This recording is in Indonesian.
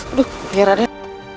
aduh gini raden